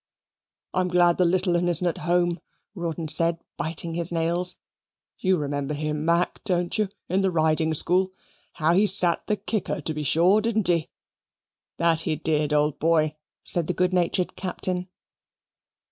"I'm glad the little 'un isn't at home," Rawdon said, biting his nails. "You remember him, Mac, don't you, in the Riding School? How he sat the kicker to be sure! didn't he?" "That he did, old boy," said the good natured Captain.